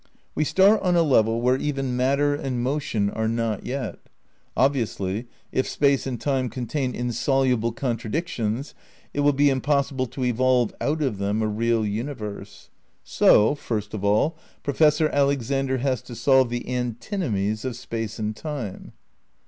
^ We start on a level where even matter and motion are not yet. Obviously, if Space and Time contain insoluble contradictions it wUl be impossible to evolve out of them a real universe. So, first of all, Professor Alexander has to solve the antinomies of Space and Time.